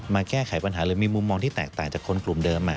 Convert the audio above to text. แก้ไขปัญหาหรือมีมุมมองที่แตกต่างจากคนกลุ่มเดิม